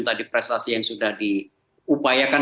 tadi prestasi yang sudah diupayakan